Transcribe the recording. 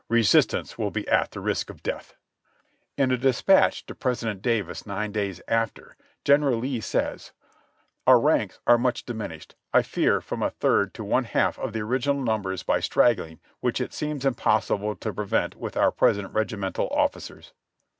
Resistance will be at the risk of death." (Ibid, page 229.) In a dispatch to President Davis nine days after (September 13) General Lee says: "Our ranks are much diminished, I fear from a third to one half of the original numbers by straggling, which it seems impossible to prevent with our present regimental officers."